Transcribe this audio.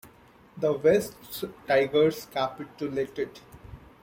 The Wests Tigers capitulated.